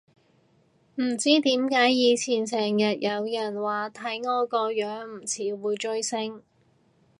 唔知點解以前成日有人話睇我個樣唔似會追星